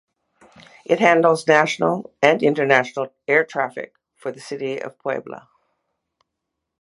It handles national and international air traffic for the city of Puebla.